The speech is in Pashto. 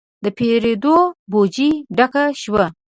د پیرود بوجي ډکه شوه.